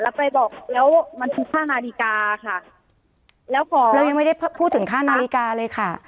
แล้วไปบอกแล้วมันทุกค่านาฬิกาค่ะแล้วบอกแล้วยังไม่ได้พูดถึงค่านาฬิกาเลยค่ะ